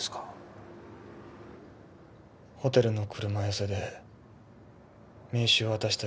ホテルの車寄せで名刺を渡した